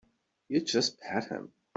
You just pat him.